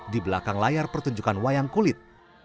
di belakang layar pertunjukan wayang kulit